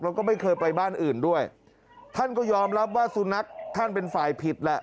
แล้วก็ไม่เคยไปบ้านอื่นด้วยท่านก็ยอมรับว่าสุนัขท่านเป็นฝ่ายผิดแหละ